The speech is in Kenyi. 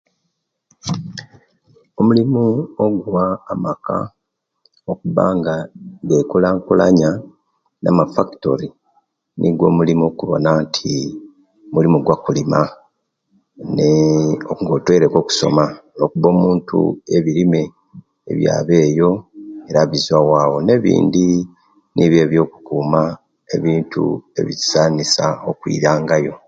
Omulimu oguwa amaka okubanga gakulankulanya namafakitori nigwo omulimo okuwona nti omulimu gwo kulima nee nga otwoireku okusoma lwokuba omuntu ebirime biyaba eyo era bizuwa bwabwo nebindi nibiyo ebiyokukuma ebintu ebisanisa okwirangayo